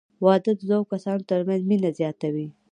• واده د دوه کسانو تر منځ مینه زیاتوي.